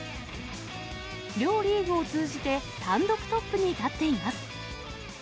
両リーグを通じて単独トップに立っています。